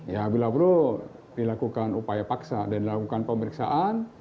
ya bila perlu dilakukan upaya paksa dan dilakukan pemeriksaan